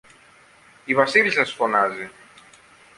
η Βασίλισσα σας φωνάζει.